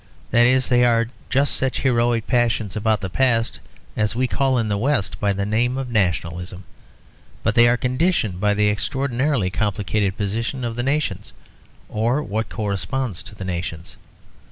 That is, they are just such heroic passions about the past as we call in the West by the name of nationalism; but they are conditioned by the extraordinarily complicated position of the nations, or what corresponds to the nations.